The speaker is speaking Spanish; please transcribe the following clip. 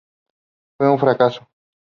Fue un fracaso.